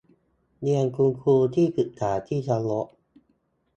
เรียนคุณครูที่ปรึกษาที่เคารพ